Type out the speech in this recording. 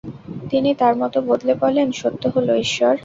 তিনি তার মত বদলে বলেন, সত্য হল ঈশ্বর।